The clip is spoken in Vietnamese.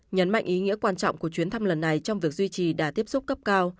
nhấn mạnh ý nghĩa quan trọng của chuyến thăm lần này trong việc duy trì đà tiếp xúc cấp cao